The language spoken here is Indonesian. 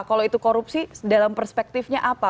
kalau itu korupsi dalam perspektifnya apa